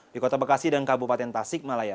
di kota bekasi dan kabupaten tasik malaya